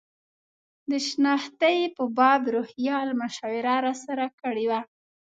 د شنختې په باب روهیال مشوره راسره کړې وه.